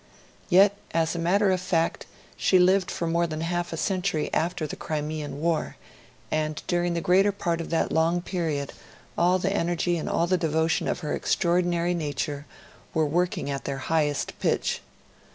Yet, as a matter of fact, she lived for more than half a century after the Crimean War; and during the greater part of that long period, all the energy and all the devotion of her extraordinary nature were working at their highest pitch.